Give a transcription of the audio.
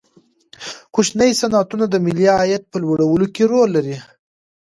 کوچني صنعتونه د ملي عاید په لوړولو کې رول لري.